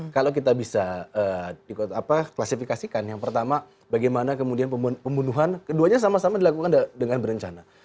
kalau kita bisa klasifikasikan yang pertama bagaimana kemudian pembunuhan keduanya sama sama dilakukan dengan berencana